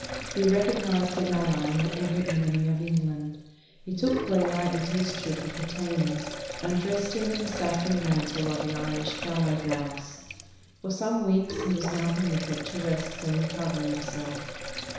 He recognized an ally in every enemy of England. He took Cuellar into his troop of retainers, and dressed him in the saffron mantle of the Irish gallowglass. For some weeks he was now permitted to rest and recover him self.